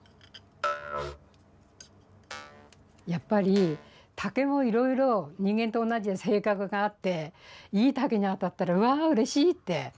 やっぱり竹もいろいろ人間と同じで性格があっていい竹に当たったら「わあうれしい」って。